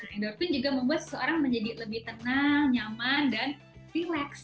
endorfin juga membuat seseorang menjadi lebih tenang nyaman dan rileks